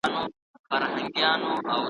سره غوښه او چاړه سوه ,